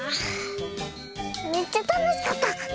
めっちゃたのしかった！